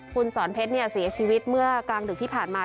คุณสอนเพชรเสียชีวิตเมื่อกลางดึกที่ผ่านมา